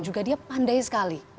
ya dia pandai sekali